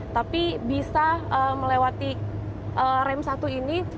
tapi bisa melewati rem satu ini